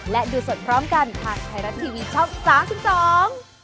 และดูสดพร้อมกันทางไทยรัฐทีวีช่อง๓๒